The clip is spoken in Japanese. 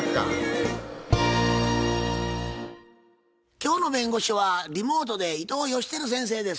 今日の弁護士はリモートで伊藤芳晃先生です。